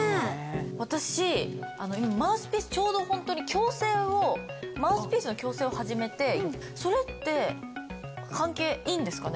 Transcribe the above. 私今マウスピースちょうどホントに矯正をマウスピースの矯正を始めてそれって関係いいんですかね？